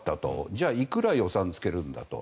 じゃあいくら予算をつけるんだと。